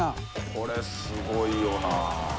これすごいよな。